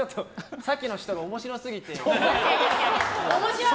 さっきの人が面白すぎて。